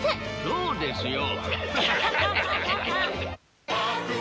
そうですよ。